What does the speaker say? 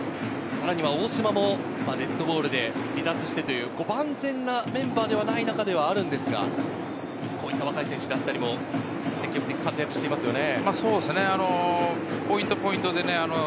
大島もデッドボールで離脱してという万全なメンバーではない中ですが若い選手だったり積極的に活躍していますね。